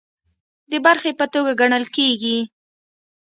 د برخې په توګه ګڼل کیږي